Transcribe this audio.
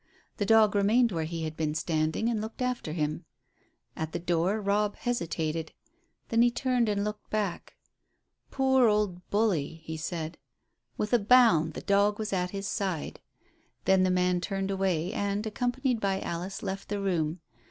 The dog remained where he had been standing and looked after him. At the door Robb hesitated, then he turned and looked back. "Poor old Bully," he said. With a bound the dog was at his side. Then the man turned away, and, accompanied by Alice, left the room.